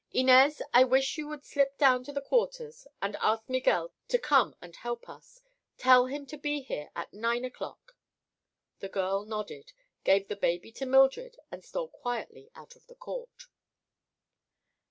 Inez, I wish you would slip down to the quarters and ask Miguel to come and help us. Tell him to be here at nine o'clock." The girl nodded, gave the baby to Mildred and stole quietly out of the court.